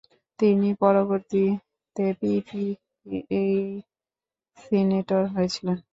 তিনি পরবর্তীতে পিপিপি এর সিনেটর হয়েছিলেন।